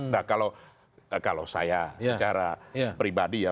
nah kalau saya secara pribadi ya